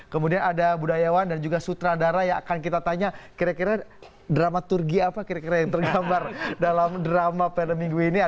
kemudian ada budayawan dan juga sutradara yang akan kita tanya kira kira dramaturgi apa kira kira yang tergambar dalam drama pada minggu ini